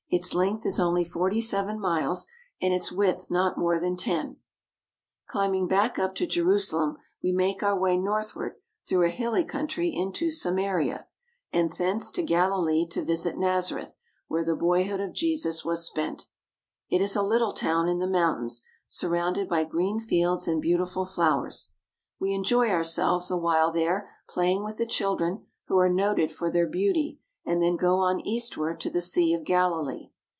ASIATIC TURKEY 359 length is only forty seven miles and its width not more than ten Climbing back up to Jerusalem, we make our way northward through a hilly country into Samaria, and thence to Galilee to visit Nazareth, where the boyhood of Jesus was spent. It is a little town in the mountains, surrounded by green fields and beautiful flowers. We Fishing on the Sea of Galilee. enjoy ourselves awhile there, playing with the children, who are noted for their beauty, and then go on eastward to the Sea of Galilee.